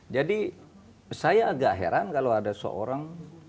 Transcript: saya agak heran kalau ada seorang